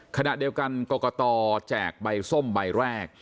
ขณะเดียวกันกรกตแจกใบส้มใบแรก